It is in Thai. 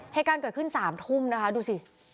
เหตุการณ์เกิดขึ้น๓ทุ่มนะคะดูสิ